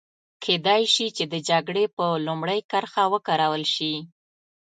کېدای شي چې د جګړې په لومړۍ کرښه وکارول شي.